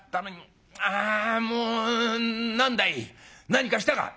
あもう何だい？何かしたか？」。